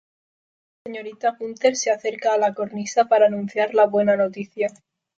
La señorita Gunther se acerca a la cornisa para anunciar la buena noticia.